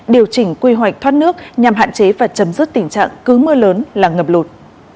điều chỉnh quy hoạch thoát nước nhằm hạn chế và chấm dứt tình trạng cứ mưa lớn là ngập lụt